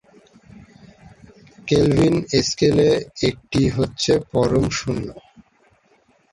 Kelvin স্কেলে একটি হচ্ছে পরম শূন্য।